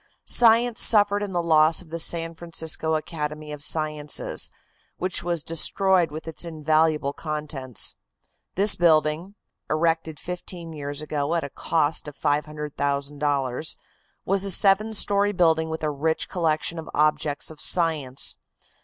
Science suffered in the loss of the San Francisco Academy of Sciences, which was destroyed with its invaluable contents. This building, erected fifteen years ago at a cost of $500,000, was a seven story building with a rich collection of objects of science.